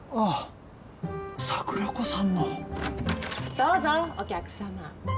どうぞお客様。